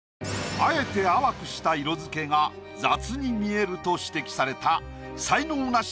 あえて淡くした色付けが雑に見えると指摘された才能ナシ